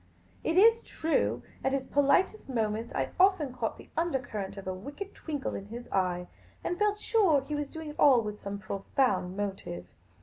It is true, at his politest moments, I often caught the undercurrent of a wicked twinkle in his eye, and felt sure he was doing it all with some profound motiv^e.